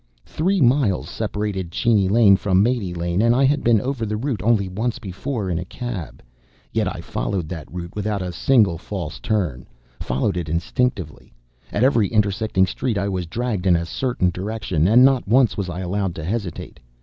Three miles separated Cheney Lane from Mate Lane, and I had been over the route only once before, in a cab. Yet I followed that route without a single false turn, followed it instinctively. At every intersecting street I was dragged in a certain direction and not once was I allowed to hesitate.